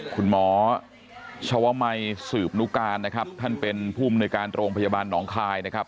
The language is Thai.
คุณหมอชวมัยสืบนุการนะครับท่านเป็นผู้มนุยการโรงพยาบาลหนองคายนะครับ